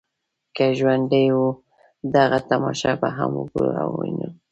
که ژوندي وو دغه تماشه به هم وګورو او وینو.